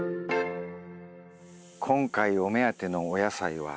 今回お目当てのお野菜はこちらです。